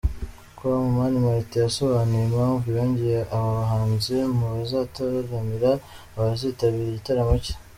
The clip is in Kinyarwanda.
com, Mani Martin yasobanuye impamvu yongeye aba bahanzi mu bazataramira abazitabira igitaramo cye.